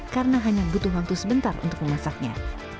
karena hanya butuh waktu sebentar untuk memasaknya